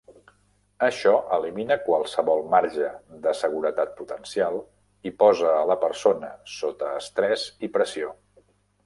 Això elimina qualsevol marge de seguretat potencial i posa a la persona sota estrès i pressió.